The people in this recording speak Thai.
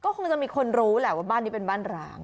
คงจะมีคนรู้แหละว่าบ้านนี้เป็นบ้านร้าง